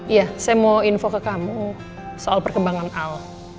iya saya mau info ke kamu soal perkembangan al